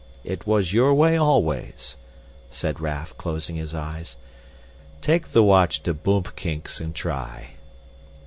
It was your way always," said Raff, closing his eyes. "Take the watch to Boompkinks and try." "Not Boompkinks.